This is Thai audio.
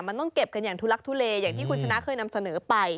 มันต้องเก็บกันอย่างทุลักทุเลอย่างที่คุณชนะเคยนำเสนอไป